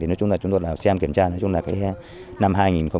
nói chung là chúng tôi xem kiểm tra năm hai nghìn một mươi bảy